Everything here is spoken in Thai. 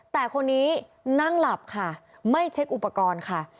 แต่คนนี้นั่งหลับค่ะไม่เช็คอุปกรณ์ค่ะ